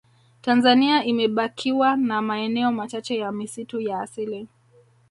tanzania imebakiwa na maeneo machache ya misitu ya asili